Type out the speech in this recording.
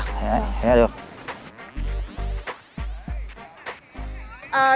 đấy thấy ra được